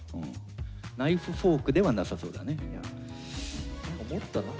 ナイフフォークではなさそうだね。